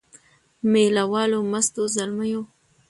د مېله والو مستو زلمیو